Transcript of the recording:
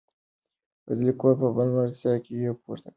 د لیکوال په ملګرتیا یې پوره کړو.